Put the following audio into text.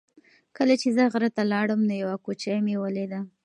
کله چې زه غره ته لاړم نو یوه کوچۍ مې ولیده.